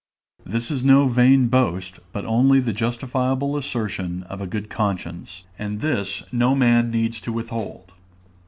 This is no vain boast, but only the justifiable assertion of a good conscience; and this no man needs to withhold.